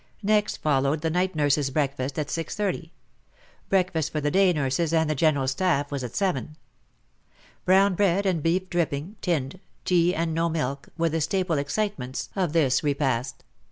Next followed the night nurses' breakfast at 6.30. Breakfast for the day nurses and the general staff was at 7. Brown bread and beef dripping (tinned), tea and no milk, were the staple excitements of this ISO WAR AND WOMEN repast.